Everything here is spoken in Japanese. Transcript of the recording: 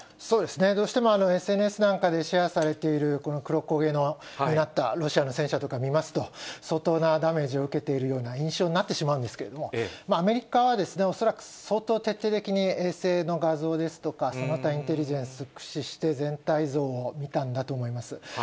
そうですね、どうしてもＳＮＳなんかでシェアされている、この黒焦げのロシアの戦車とか見ますと、相当なダメージを受けているような印象になってしまうんですけれども、アメリカは恐らく相当徹底的に衛星の画像ですとか、その他インテリジェンス駆使して、全体像を見たんだと思います。